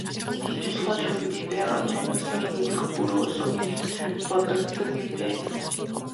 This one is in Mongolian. Гэтэл хол хөндий байгаад хоног сар өнгөрөх бүр улам их бодогддог юм байна.